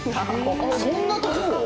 そんなとこを？